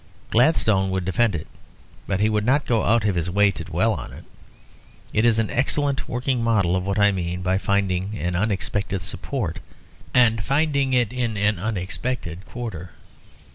Gladstone would defend it, but he would not go out of his way to dwell on it. It is an excellent working model of what I mean by finding an unexpected support, and finding it in an unexpected quarter.